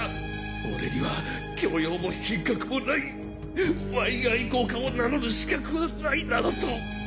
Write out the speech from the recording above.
俺には「教養も品格もないワイン愛好家を名乗る資格はない」などと！